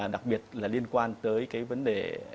đặc biệt là liên quan tới cái vấn đề